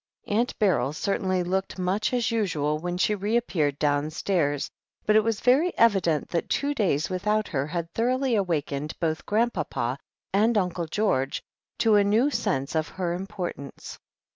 Aunt Beryl certainly looked much as usual wh^ she reappeared downstairs, but it was very evident that two days without her had thoroughly awakened both Grand papa and Uncle George to a new sense of her im portance.